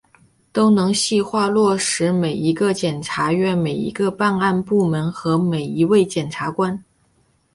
都能细化落到每一个检察院、每一个办案部门和每一位检察官